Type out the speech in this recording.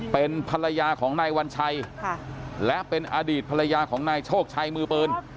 เป็นภรรยาของนายวัญชัยและเป็นอดีตภรรยาของนายโชคชัยมือปืน